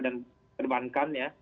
dan perbankan ya